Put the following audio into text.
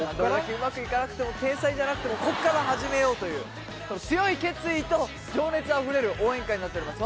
うまくいかなくても天才じゃなくてもこっから始めようという強い決意と情熱あふれる応援歌になっております